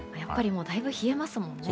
だいぶ冷えますもんね。